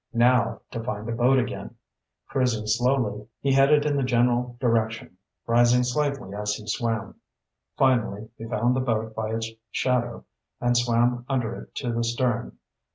Now to find the boat again. Cruising slowly, he headed in the general direction, rising slightly as he swam. Finally, he found the boat by its shadow and swam under it to the stern.